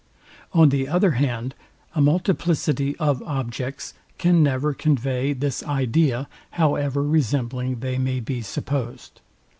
On the other hand, a multiplicity of objects can never convey this idea, however resembling they may be supposed.